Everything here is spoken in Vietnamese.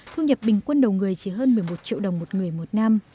thu nhập bình quân đầu người chỉ hơn một mươi một triệu đồng một người một năm